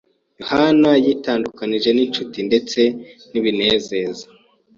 Yohana yitandukanyije n’incuti ndetse n’ibinezeza